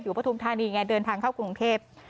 อยู่พระธุมธานีไงเดินทางเข้ากรุงเทพฯ